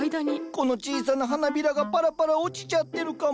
この小さな花びらがパラパラ落ちちゃってるかも。